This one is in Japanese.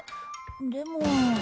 でも。